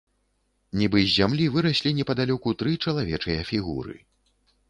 Нібы з зямлі выраслі непадалёку тры чалавечыя фігуры.